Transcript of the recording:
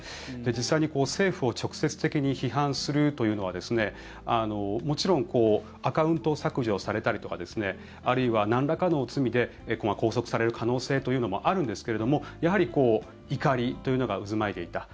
実際に政府を直接的に批判するというのはもちろんアカウントを削除されたりとかあるいは、なんらかの罪で拘束される可能性というのもあるんですけれども、やはり怒りというのが渦巻いていた。